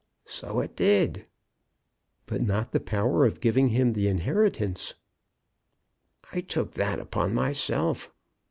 "So it did." "But not the power of giving him the inheritance." "I took that upon myself.